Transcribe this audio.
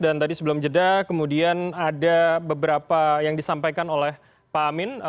dan tadi sebelum jeda kemudian ada beberapa yang disampaikan oleh pak amin